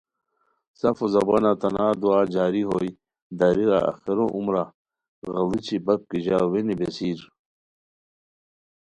سفو زبانہ تنار دعا جاری ہوئے دریغہ آخرو عمرا غیڑوچی بپ کی ژاؤ وینی بیسیر